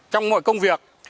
trong mọi công việc